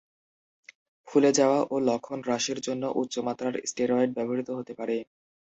ফুলে যাওয়া ও লক্ষণ হ্রাসের জন্য উচ্চ মাত্রার স্টেরয়েড ব্যবহৃত হতে পারে।